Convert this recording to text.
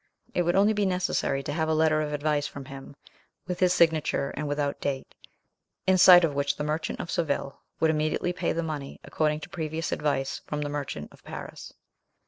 It would only be necessary to have a letter of advice from him, with his signature and without date, in sight of which the merchant of Seville would immediately pay the money, according to previous advice from the merchant of Paris.